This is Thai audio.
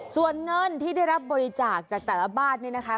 ส่วนเงินที่ได้รับบริจาคจากแต่ละบ้านเนี่ยนะคะ